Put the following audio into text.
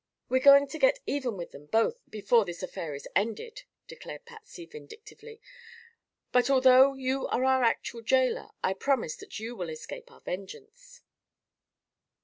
"We're going to get even with them both, before this affair is ended," declared Patsy, vindictively; "but although you are our actual jailer I promise that you will escape our vengeance."